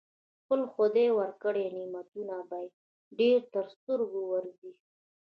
خپل خدای ورکړي نعمتونه به يې ډېر تر سترګو ورځي.